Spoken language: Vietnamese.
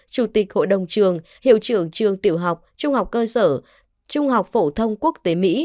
chủ tịch hội đồng trường hiệu trưởng trường tiểu học trung học cơ sở trung học phổ thông quốc tế mỹ